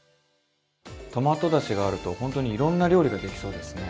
トマトだしがあるとほんとにいろんな料理ができそうですね。